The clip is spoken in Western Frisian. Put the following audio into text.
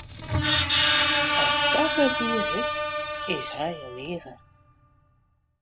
As dat net wier is, is hy in liger.